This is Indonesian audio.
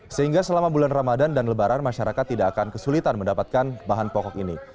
sehingga selama bulan ramadan dan lebaran masyarakat tidak akan kesulitan mendapatkan bahan pokok ini